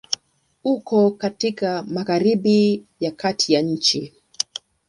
Uko katika Magharibi ya Kati ya nchi.